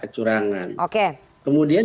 curangan oke kemudian